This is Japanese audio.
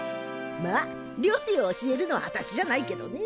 まあ料理を教えるのはあたしじゃないけどね。